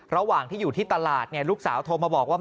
ระหว่างที่อยู่ที่ตลาดลูกสาวโทรมาบอกว่า